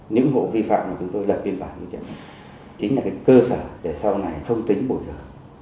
những hộ vi phạm mà chúng tôi lập biên bản như thế này chính là cơ sở để sau này không tính bồi thở